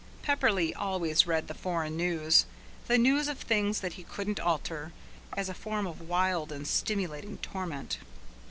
Pepperleigh always read the foreign news the news of things that he couldn't alter as a form of wild and stimulating torment.